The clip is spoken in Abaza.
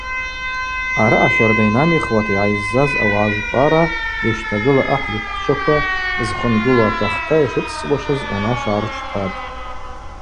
Араъа щарда йнамихуата йгӏайззаз ауагӏа жвпӏара йащтагыла ахӏ йыпхӏчваква зхвынгылу атахта йшыцӏсуашыз унашва гӏарчпатӏ.